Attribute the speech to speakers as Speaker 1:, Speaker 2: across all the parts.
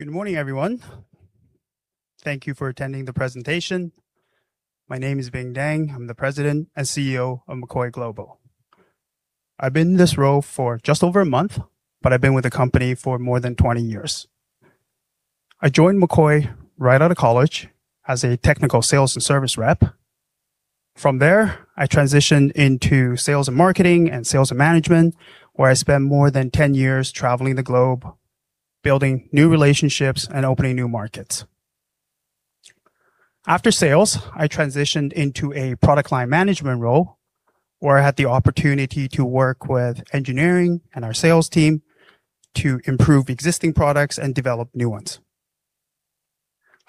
Speaker 1: Good morning, everyone. Thank you for attending the presentation. My name is Bing Deng. I'm the President and CEO of McCoy Global. I've been in this role for just over a month, but I've been with the company for more than 20 years. I joined McCoy right out of college as a technical sales and service rep. From there, I transitioned into sales and marketing and sales and management, where I spent more than 10 years traveling the globe, building new relationships, and opening new markets. After sales, I transitioned into a product line management role where I had the opportunity to work with engineering and our sales team to improve existing products and develop new ones.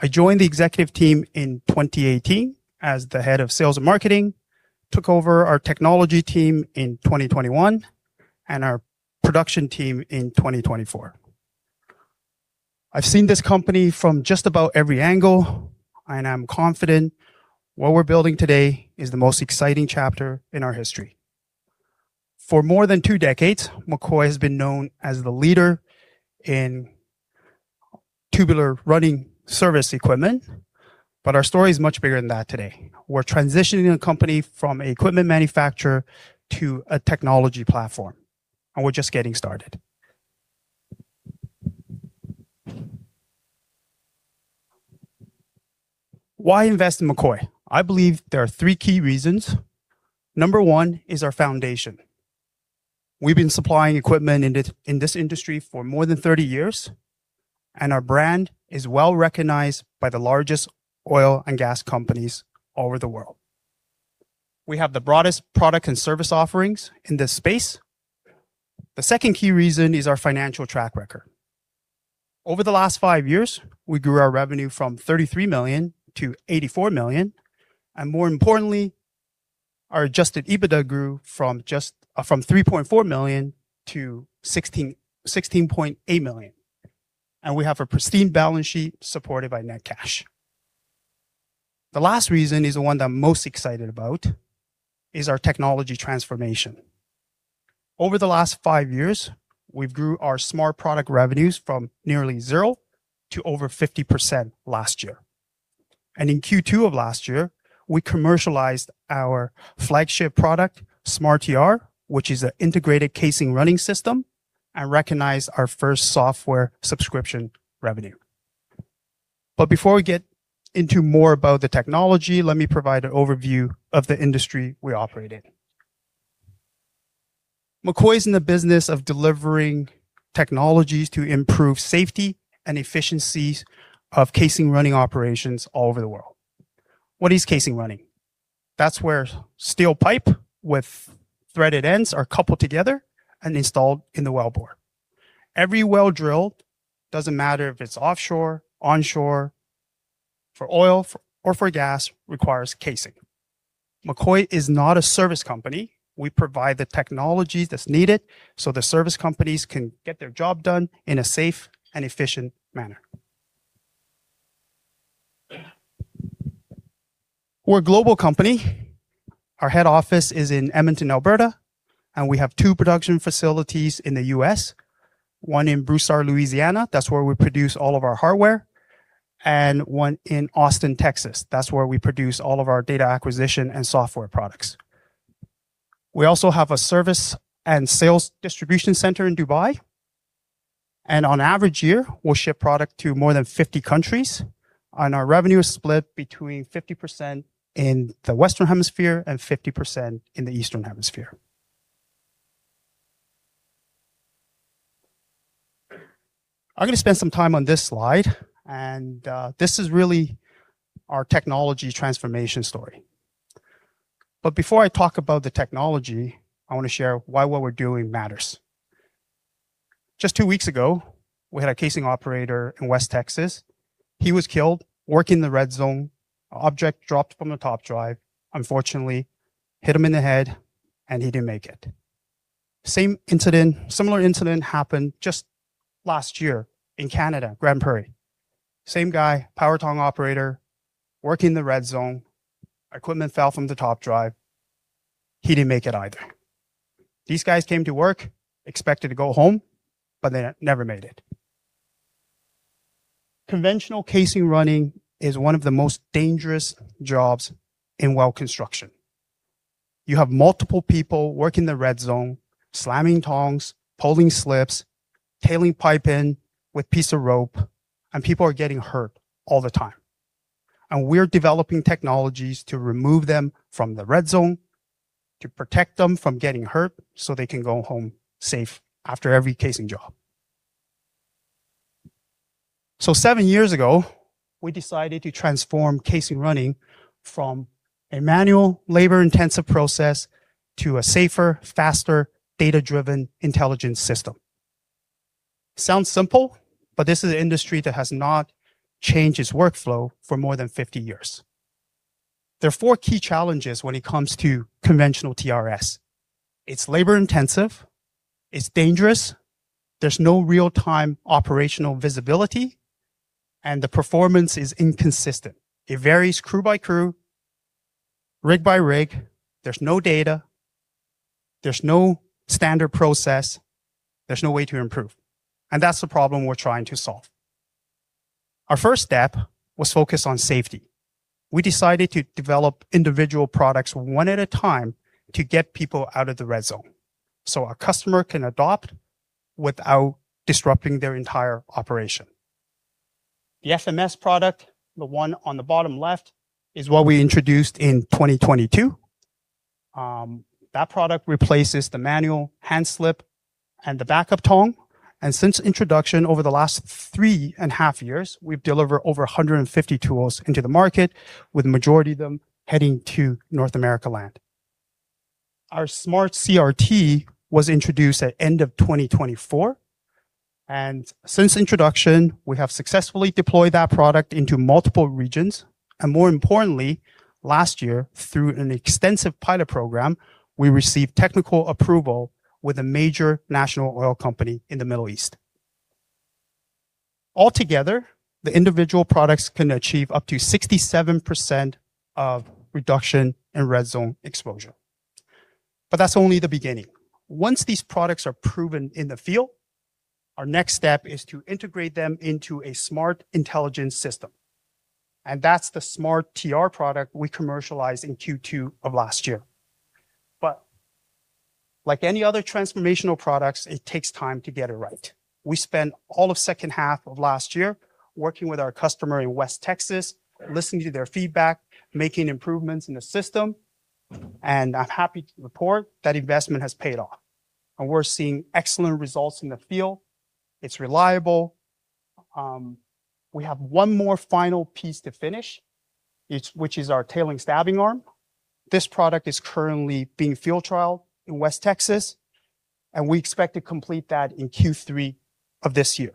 Speaker 1: I joined the executive team in 2018 as the head of sales and marketing, took over our technology team in 2021, and our production team in 2024. I've seen this company from just about every angle. I'm confident what we're building today is the most exciting chapter in our history. For more than two decades, McCoy has been known as the leader in tubular running service equipment. Our story is much bigger than that today. We're transitioning the company from an equipment manufacturer to a technology platform. We're just getting started. Why invest in McCoy? I believe there are three key reasons. Number one is our foundation. We've been supplying equipment in this industry for more than 30 years. Our brand is well recognized by the largest oil and gas companies all over the world. We have the broadest product and service offerings in this space. The second key reason is our financial track record. Over the last five years, we grew our revenue from 33 million-84 million. More importantly, our adjusted EBITDA grew from 3.4 million-16.8 million. We have a pristine balance sheet supported by net cash. The last reason is the one that I'm most excited about, is our technology transformation. Over the last five years, we've grew our Smart Product revenues from nearly zero to over 50% last year. In Q2 of last year, we commercialized our flagship product, smarTR, which is an integrated casing running system, and recognized our first software subscription revenue. Before we get into more about the technology, let me provide an overview of the industry we operate in. McCoy's in the business of delivering technologies to improve safety and efficiency of casing running operations all over the world. What is casing running? That's where steel pipe with threaded ends are coupled together and installed in the well bore. Every well drilled, doesn't matter if it's offshore, onshore, for oil or for gas, requires casing. McCoy is not a service company. We provide the technology that's needed so the service companies can get their job done in a safe and efficient manner. We're a global company. Our head office is in Edmonton, Alberta. We have two production facilities in the U.S., one in Broussard, Louisiana, that's where we produce all of our hardware. One in Austin, Texas. That's where we produce all of our data acquisition and software products. We also have a service and sales distribution center in Dubai. On average year, we'll ship product to more than 50 countries. Our revenue is split between 30% in the Western Hemisphere and 50% in the Eastern Hemisphere. I'm going to spend some time on this slide. This is really our technology transformation story. Before I talk about the technology, I want to share why what we're doing matters. Just two weeks ago, we had a casing operator in West Texas. He was killed working the red zone. Object dropped from the top drive, unfortunately, hit him in the head. He didn't make it. Similar incident happened just last year in Canada, Grand Prairie. Same guy, power tong operator, working the red zone. Equipment fell from the top drive. He didn't make it either. These guys came to work, expected to go home. They never made it. Conventional casing running is one of the most dangerous jobs in well construction. You have multiple people working the red zone, slamming tongs, pulling slips, tailing pipe in with piece of rope. People are getting hurt all the time. We're developing technologies to remove them from the red zone to protect them from getting hurt so they can go home safe after every casing job. Seven years ago, we decided to transform casing running from a manual, labor-intensive process to a safer, faster, data-driven intelligence system. Sounds simple. This is an industry that has not changed its workflow for more than 50 years. There are four key challenges when it comes to conventional TRS. It's labor intensive, it's dangerous, there's no real-time operational visibility. The performance is inconsistent. It varies crew by crew rig by rig, there's no data, there's no standard process, there's no way to improve. That's the problem we're trying to solve. Our first step was focused on safety. We decided to develop individual products one at a time to get people out of the red zone. Our customer can adopt without disrupting their entire operation. The FMS product, the one on the bottom left, is what we introduced in 2022. That product replaces the manual hand slip and the backup tong. Since introduction over the last three and a half years, we've delivered over 150 tools into the market, with majority of them heading to North America land. Our smartCRT was introduced at end of 2024. Since introduction, we have successfully deployed that product into multiple regions. More importantly, last year, through an extensive pilot program, we received technical approval with a major national oil company in the Middle East. Altogether, the individual products can achieve up to 67% of reduction in red zone exposure. That's only the beginning. Once these products are proven in the field, our next step is to integrate them into a smart intelligence system. That's the smarTR product we commercialized in Q2 of last year Like any other transformational products, it takes time to get it right. We spent all of second half of last year working with our customer in West Texas, listening to their feedback, making improvements in the system. I'm happy to report that investment has paid off. We're seeing excellent results in the field. It's reliable. We have one more final piece to finish, which is our Tailing and Stabbing Arm. This product is currently being field trialed in West Texas. We expect to complete that in Q3 of this year.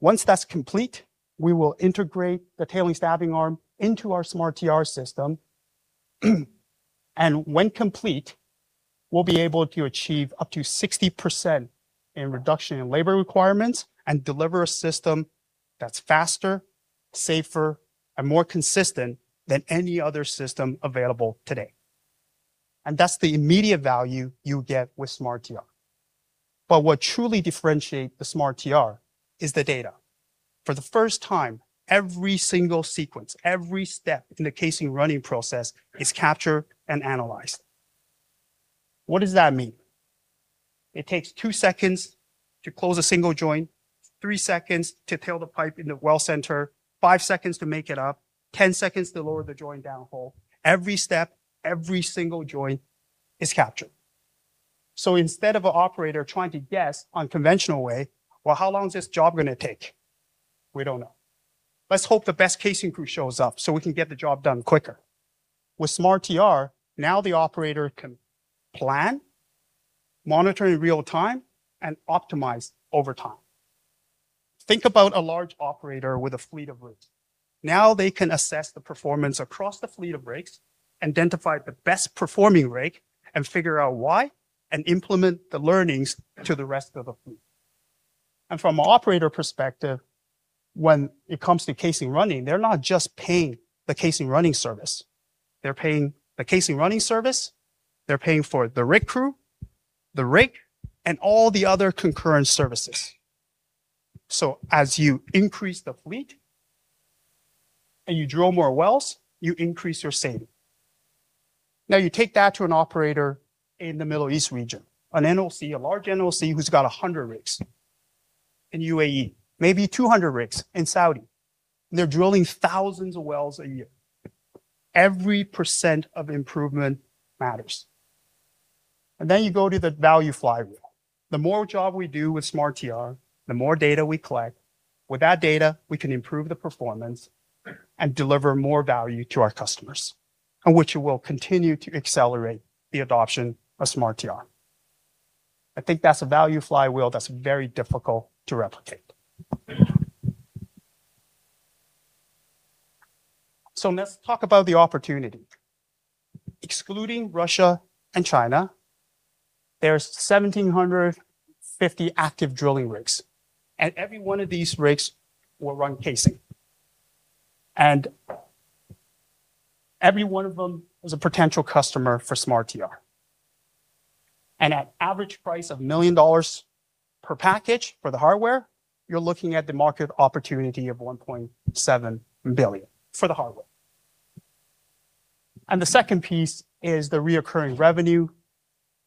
Speaker 1: Once that's complete, we will integrate the Tailing and Stabbing Arm into our smarTR system. When complete, we'll be able to achieve up to 60% in reduction in labor requirements and deliver a system that's faster, safer, and more consistent than any other system available today. That's the immediate value you get with smarTR. What truly differentiate the smarTR is the data. For the first time, every single sequence, every step in the casing running process is captured and analyzed. What does that mean? It takes two seconds to close a single joint, three seconds to tail the pipe in the well center, five seconds to make it up, 10 seconds to lower the joint down hole. Every step, every single joint is captured. Instead of an operator trying to guess on conventional way, how long is this job gonna take? We don't know. Let's hope the best casing crew shows up so we can get the job done quicker. With smarTR, now the operator can plan, monitor in real time, and optimize over time. Think about a large operator with a fleet of rigs. Now they can assess the performance across the fleet of rigs, identify the best performing rig, and figure out why, and implement the learnings to the rest of the fleet. From an operator perspective, when it comes to casing running, they're not just paying the casing running service. They're paying the casing running service, they're paying for the rig crew, the rig, and all the other concurrent services. As you increase the fleet, and you drill more wells, you increase your saving. You take that to an operator in the Middle East region, an NOC, a large NOC who's got 100 rigs in UAE, maybe 200 rigs in Saudi, and they're drilling thousands of wells a year. Every percent of improvement matters. Then you go to the value flywheel. The more job we do with smarTR, the more data we collect. With that data, we can improve the performance and deliver more value to our customers, which will continue to accelerate the adoption of smarTR. I think that's a value flywheel that's very difficult to replicate. Let's talk about the opportunity. Excluding Russia and China, there's 1,750 active drilling rigs, and every one of these rigs will run casing. Every one of them is a potential customer for smarTR. At average price of 1 million dollars per package for the hardware, you're looking at the market opportunity of 1.7 billion for the hardware. The second piece is the reoccurring revenue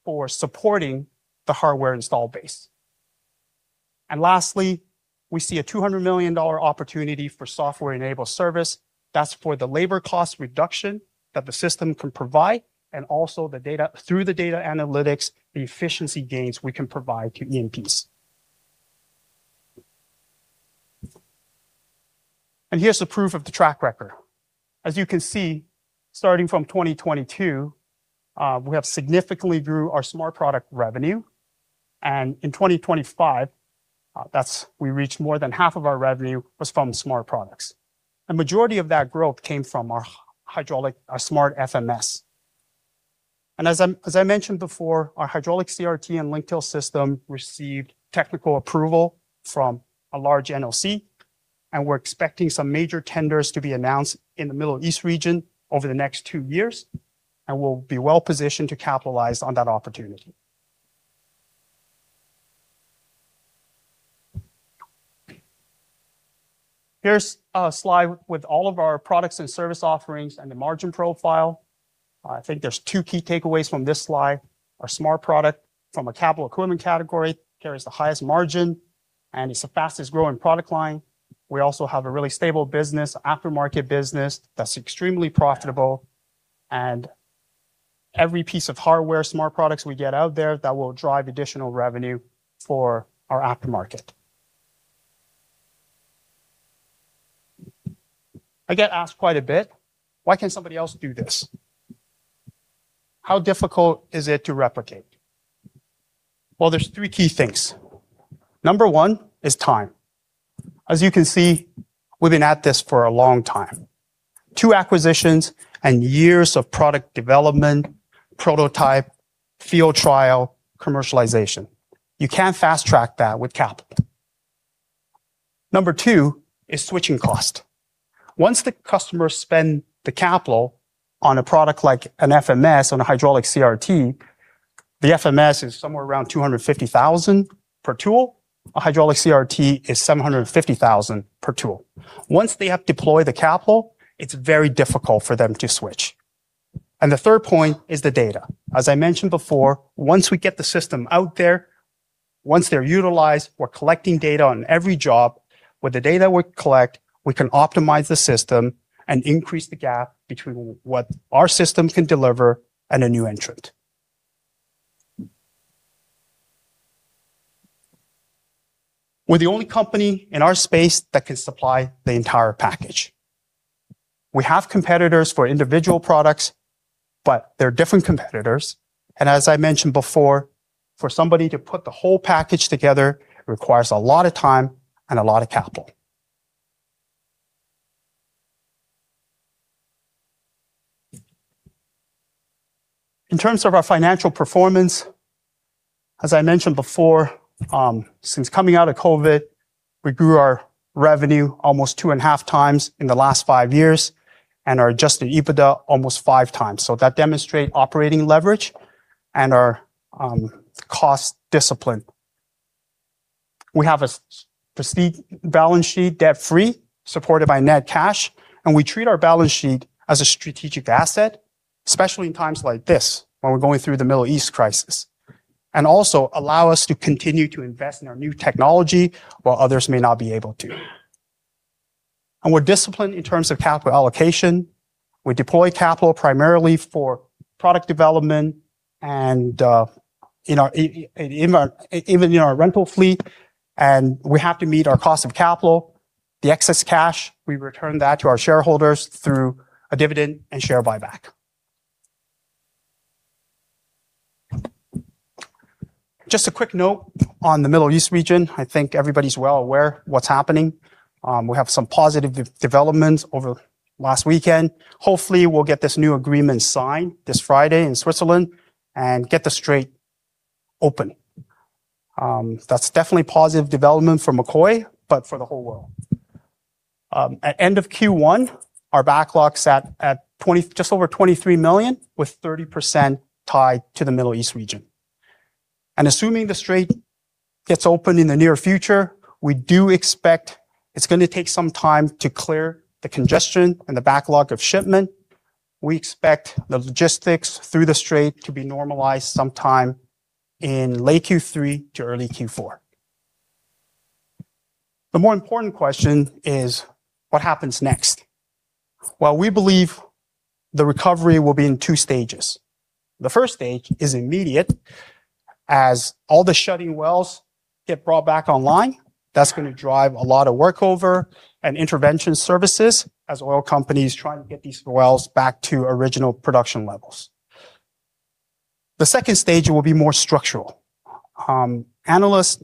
Speaker 1: for supporting the hardware install base. Lastly, we see a 200 million dollar opportunity for software-enabled service. That's for the labor cost reduction that the system can provide and also the data through the data analytics, the efficiency gains we can provide to E&Ps. Here's the proof of the track record. As you can see, starting from 2022, we have significantly grew our Smart Product revenue. In 2025, we reached more than half of our revenue was from Smart Products. The majority of that growth came from our hydraulic, our smartFMS. As I mentioned before, our hydraulic CRT and Link Tilt System received technical approval from a large NOC, and we're expecting some major tenders to be announced in the Middle East region over the next two years. We'll be well-positioned to capitalize on that opportunity. Here's a slide with all of our products and service offerings and the margin profile. I think there's two key takeaways from this slide. Our Smart Product from a capital equipment category carries the highest margin and is the fastest growing product line. We also have a really stable business, aftermarket business, that's extremely profitable. Every piece of hardware, Smart Products we get out there, that will drive additional revenue for our aftermarket. I get asked quite a bit, "Why can't somebody else do this? How difficult is it to replicate?" Well, there's three key things. Number one is time. As you can see, we've been at this for a long time. Two acquisitions and years of product development, prototype, field trial, commercialization. You can't fast-track that with capital. Number two is switching cost. Once the customers spend the capital on a product like an FMS on a hydraulic CRT, the FMS is somewhere around 250,000 per tool. A hydraulic CRT is 750,000 per tool. Once they have deployed the capital, it's very difficult for them to switch. The third point is the data. As I mentioned before, once we get the system out there, once they're utilized, we're collecting data on every job. With the data we collect, we can optimize the system and increase the gap between what our system can deliver and a new entrant. We're the only company in our space that can supply the entire package. We have competitors for individual products, but they're different competitors. As I mentioned before, for somebody to put the whole package together requires a lot of time and a lot of capital. In terms of our financial performance, as I mentioned before, since coming out of COVID, we grew our revenue almost two and a half times in the last five years and our adjusted EBITDA almost five times. That demonstrate operating leverage and our cost discipline. We have a pristine balance sheet, debt-free, supported by net cash, and we treat our balance sheet as a strategic asset, especially in times like this when we're going through the Middle East crisis. Also allow us to continue to invest in our new technology while others may not be able to. We're disciplined in terms of capital allocation. We deploy capital primarily for product development and even in our rental fleet, and we have to meet our cost of capital. The excess cash, we return that to our shareholders through a dividend and share buyback. Just a quick note on the Middle East region. I think everybody's well aware what's happening. We have some positive developments over last weekend. Hopefully, we'll get this new agreement signed this Friday in Switzerland and get the strait open. That's definitely a positive development for McCoy, but for the whole world. At end of Q1, our backlog sat at just over 23 million, with 30% tied to the Middle East region. Assuming the strait gets open in the near future, we do expect it's going to take some time to clear the congestion and the backlog of shipment. We expect the logistics through the strait to be normalized sometime in late Q3 to early Q4. The more important question is what happens next. Well, we believe the recovery will be in 2 stages. The first stage is immediate. As all the shutting wells get brought back online, that's going to drive a lot of workover and intervention services as oil companies try and get these wells back to original production levels. The second stage will be more structural. Analysts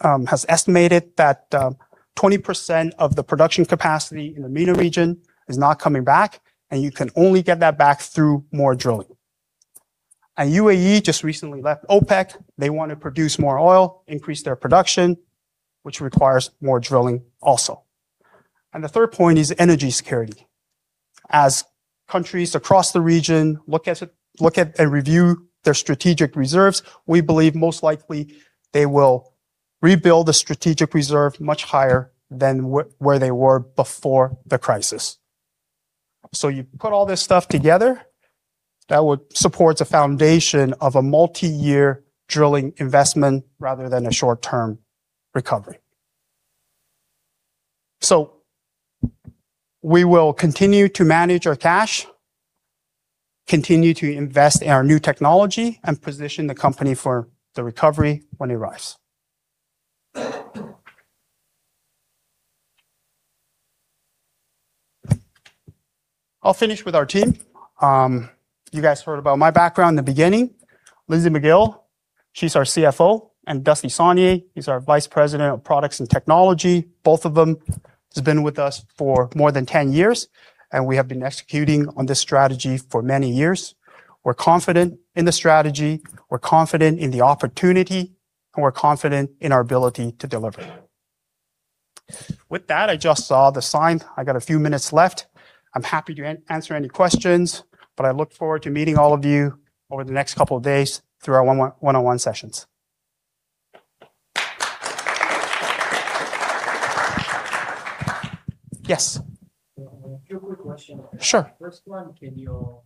Speaker 1: has estimated that 20% of the production capacity in the MENA region is not coming back, and you can only get that back through more drilling. UAE just recently left OPEC. They want to produce more oil, increase their production, which requires more drilling also. The third point is energy security. As countries across the region look at and review their strategic reserves, we believe most likely they will rebuild the strategic reserve much higher than where they were before the crisis. You put all this stuff together, that would support a foundation of a multi-year drilling investment rather than a short-term recovery. We will continue to manage our cash, continue to invest in our new technology, and position the company for the recovery when it arrives. I'll finish with our team. You guys heard about my background in the beginning. Lindsay McGill. She's our CFO, and Dusty Sowney, he's our vice president of products and technology. Both of them has been with us for more than 10 years, and we have been executing on this strategy for many years. We're confident in the strategy, we're confident in the opportunity, and we're confident in our ability to deliver. With that, I just saw the sign. I got a few minutes left. I'm happy to answer any questions, but I look forward to meeting all of you over the next couple of days through our one-on-one sessions. Yes.
Speaker 2: Two quick questions.
Speaker 1: Sure.
Speaker 2: First one, can your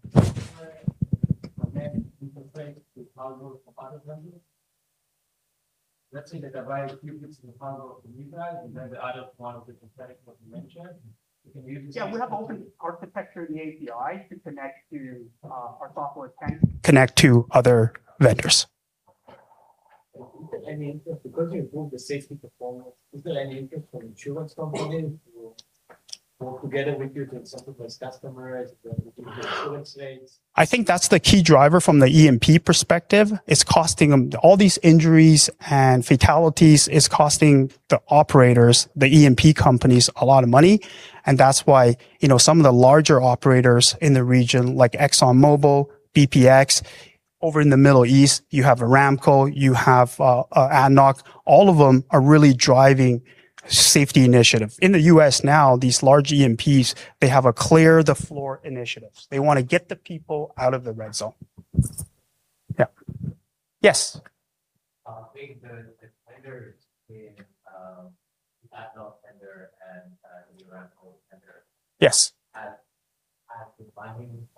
Speaker 2: connect interface with other vendors? Let's say that the buyer uses the hardware from you guys, the other one is the competitor that you mentioned. You can use-
Speaker 1: Yeah, we have open architecture in the API to connect to our software can connect to other vendors.
Speaker 2: Is there any interest, because you improved the safety performance, from insurance companies to work together with you to incentivize customers, to give insurance rates?
Speaker 1: I think that's the key driver from the E&P perspective. All these injuries and fatalities is costing the operators, the E&P companies, a lot of money, that's why some of the larger operators in the region like ExxonMobil, BPX, over in the Middle East, you have Aramco, you have ADNOC, all of them are really driving safety initiatives. In the U.S. now, these large E&Ps, they have a clear the floor initiatives. They want to get the people out of the red zone. Yeah. Yes.
Speaker 2: I think the tenders in, ADNOC tender and the Aramco tender.
Speaker 1: Yes
Speaker 2: Has the timing for those tenders changed with the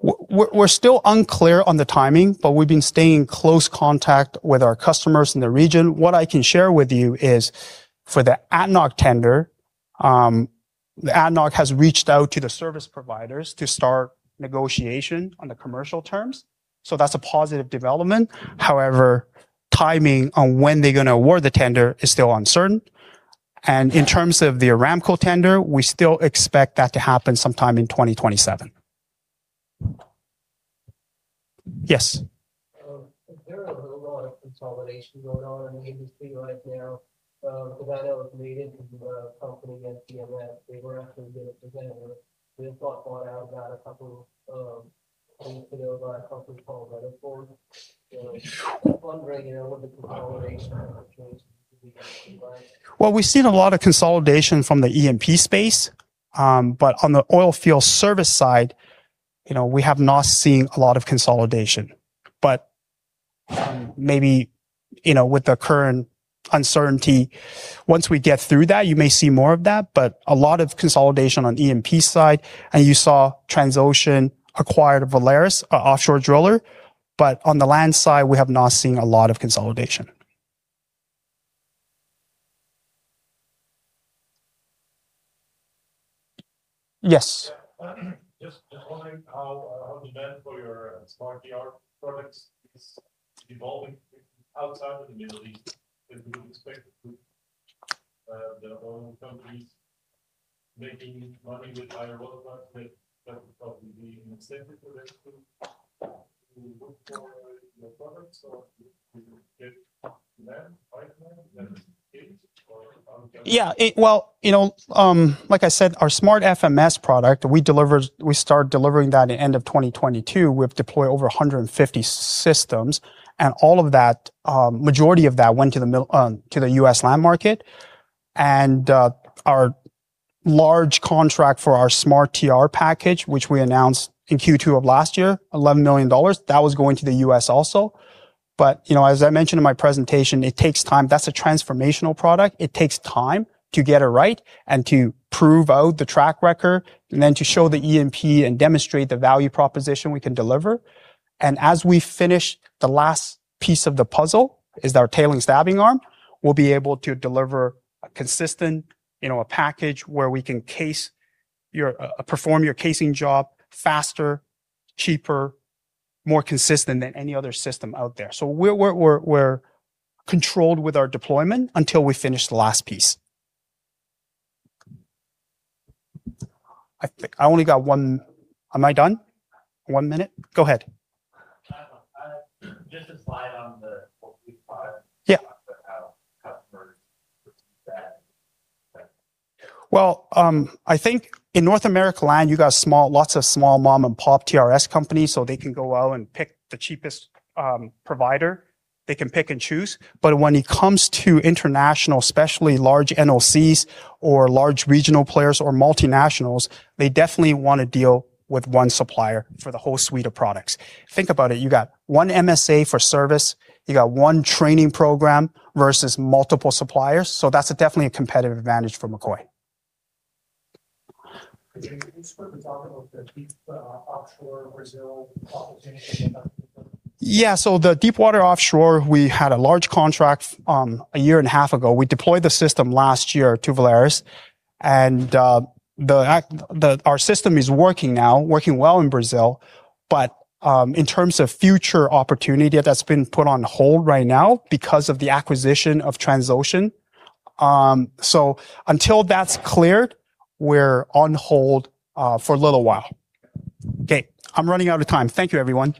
Speaker 1: We're still unclear on the timing, but we've been staying close contact with our customers in the region. What I can share with you is for the ADNOC tender, ADNOC has reached out to the service providers to start negotiation on the commercial terms. That's a positive development. However, timing on when they're going to award the tender is still uncertain. In terms of the Aramco tender, we still expect that to happen sometime in 2027. Yes.
Speaker 2: There are a lot of consolidation going on in the industry right now. For that matter, we did the company NCS, they were actually going to present, but they got bought out about a couple of weeks ago by a company called Weatherford. I'm wondering a little bit consolidation
Speaker 1: Well, we've seen a lot of consolidation from the E&P space. On the oil field service side, we have not seen a lot of consolidation. Maybe, with the current uncertainty, once we get through that, you may see more of that, a lot of consolidation on E&P side, and you saw Transocean acquired Valaris, an offshore driller. On the land side, we have not seen a lot of consolidation. Yes.
Speaker 3: Just wondering how the demand for your smarTR products is evolving outside of the Middle East. We would expect the oil companies making money with higher oil price, that would probably be an incentive for them to look for your products or if you get demand right now than it.
Speaker 1: Well, like I said, our smartFMS product, we start delivering that end of 2022. We've deployed over 150 systems, and majority of that went to the U.S. land market, and our large contract for our smarTR package, which we announced in Q2 of last year, 11 million dollars, that was going to the U.S. also. As I mentioned in my presentation, it takes time. That's a transformational product. It takes time to get it right and to prove out the track record, and then to show the E&P and demonstrate the value proposition we can deliver. As we finish the last piece of the puzzle is our Tailing and Stabbing Arm. We'll be able to deliver a consistent package where we can perform your casing job faster, cheaper, more consistent than any other system out there. We're controlled with our deployment until we finish the last piece. I only got one Am I done? One minute? Go ahead.
Speaker 4: Just a slide on the
Speaker 1: Yeah.
Speaker 4: How customers perceive that.
Speaker 1: Well, I think in North America land, you got lots of small mom-and-pop TRS companies, so they can go out and pick the cheapest provider. They can pick and choose. But when it comes to international, especially large NOCs or large regional players or multinationals, they definitely want to deal with one supplier for the whole suite of products. Think about it. You got one MSA for service. You got one training program versus multiple suppliers. That's definitely a competitive advantage for McCoy.
Speaker 4: Could you please quickly talk about the deep offshore Brazil opportunity?
Speaker 1: Yeah, the deepwater offshore, we had a large contract a year and a half ago. We deployed the system last year to Valaris, and our system is working now, working well in Brazil. In terms of future opportunity, that's been put on hold right now because of the acquisition of Transocean. Until that's cleared, we're on hold for a little while. Okay. I'm running out of time. Thank you, everyone.